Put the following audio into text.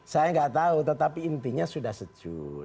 saya gak tahu tapi intinya sudah sejuk